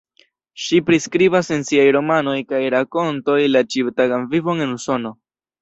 Ŝi priskribas en siaj romanoj kaj rakontoj la ĉiutagan vivon en Usono.